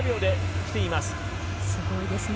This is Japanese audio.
すごいですね。